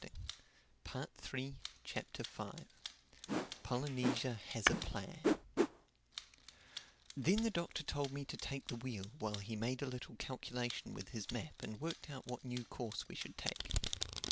THE FIFTH CHAPTER POLYNESIA HAS A PLAN THEN the Doctor told me to take the wheel while he made a little calculation with his map and worked out what new course we should take.